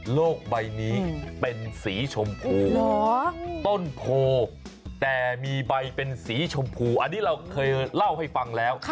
โลกใบนี้เป็นสีชมพูต้นโพแต่มีใบเป็นสีชมพูอันนี้เราเคยเล่าให้ฟังแล้ว